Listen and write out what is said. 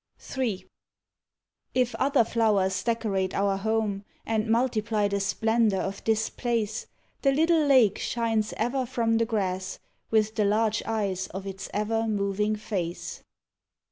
III If other flowers decorate our home, And multiply the splendour of this place, The little lake shines ever from the grass With the large eyes of its ever moving face.